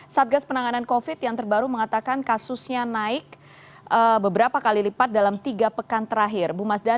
satgas penanganan covid yang terbaru mengatakan kasusnya naik beberapa kali lipat dalam tiga pekan terakhir